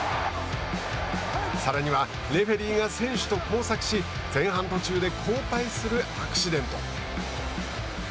さらにはレフェリーが選手と交錯し前半途中で交代するアクシデント。